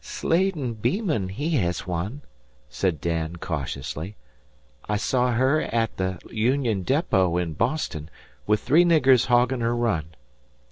"Slatin Beeman he hez one," said Dan, cautiously. "I saw her at the Union Depot in Boston, with three niggers hoggin' her run."